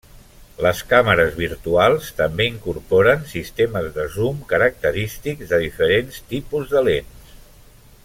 Les càmeres virtuals també incorporen sistemes de zoom característics de diferents tipus de lents.